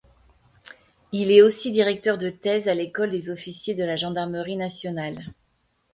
Il est aussi directeur de thèse à l'école des officiers de la gendarmerie nationale.